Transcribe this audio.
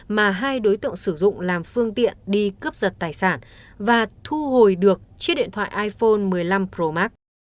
mà hai đối tượng sử dụng làm phương tiện đi cướp giật tài sản và thu hồi được chiếc điện thoại iphone một mươi năm pro max